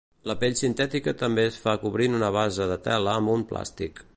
La pell sintètica també es fa cobrint una base de tela amb un plàstic.